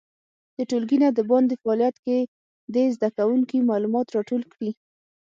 د ټولګي نه د باندې فعالیت کې دې زده کوونکي معلومات راټول کړي.